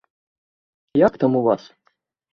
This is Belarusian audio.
Як там у вас?